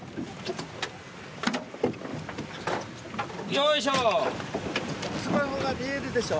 よいしょ。